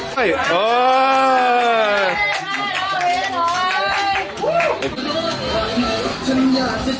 สิ่งที่สีดลองคำดี